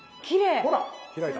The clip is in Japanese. ほら開いた！